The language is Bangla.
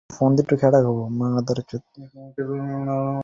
এরপর চাপ অনুযায়ী ট্রাফিক নিয়ন্ত্রণ করলে যানজট সমস্যা থেকে রক্ষা পাওয়া যাবে।